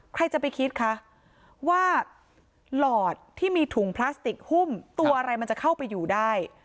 ใครจะไปคิดคะว่าหลอดที่มีถุงพลาสติกหุ้มตัวอะไรมันจะเข้าไปอยู่ได้